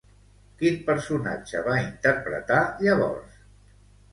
Quin personatge va interpretar llavors?